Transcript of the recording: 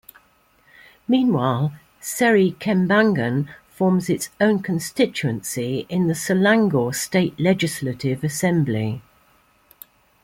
Meanwhile, Seri Kembangan forms its own constituency in the Selangor State Legislative Assembly.